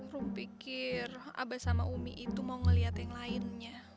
rum pikir abah sama umi itu mau ngeliat yang lainnya